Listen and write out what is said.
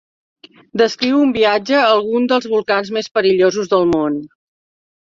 Descriu un viatge a alguns dels volcans més perillosos del món.